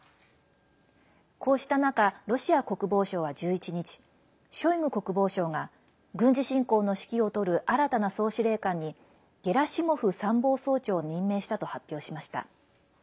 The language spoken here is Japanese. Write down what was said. こうした中ロシア国防省は１１日ショイグ国防相が、軍事侵攻の指揮を執る新たな総司令官にゲラシモフ参謀総長を任命したと発表しました。